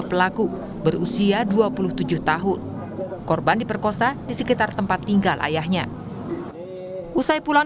pelaku berusia dua puluh tujuh tahun korban diperkosa di sekitar tempat tinggal ayahnya usai pulang